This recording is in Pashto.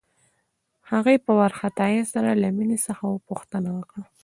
هغې په وارخطايۍ سره له مينې څخه پوښتنه وکړه.